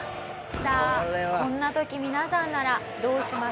さあこんな時皆さんならどうしますか？